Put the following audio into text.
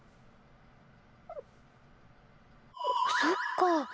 そっか。